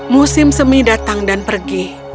musim semi datang dan pergi